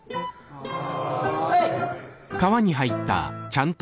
はい。